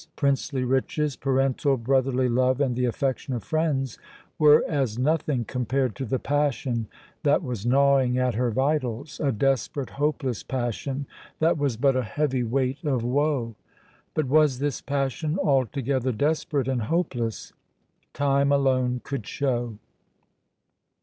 princely riches, parental, brotherly love and the affection of friends were as nothing compared to the passion that was gnawing at her vitals, a desperate, hopeless passion that was but a heavy weight of woe! But was this passion altogether desperate and hopeless? Time alone could show!